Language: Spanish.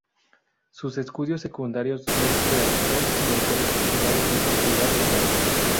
Sus estudios secundarios los realizó en el colegio privado de su ciudad natal.